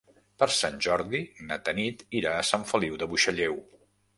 Per Sant Jordi na Tanit irà a Sant Feliu de Buixalleu.